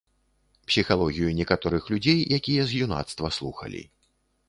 Псіхалогію некаторых людзей, якія з юнацтва слухалі.